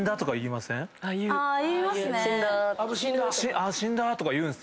「あ死んだ」とか言うんすよ。